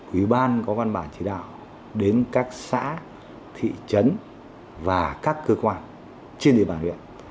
ủy ban có văn bản chỉ đạo đến các xã thị trấn và các cơ quan trên địa bàn huyện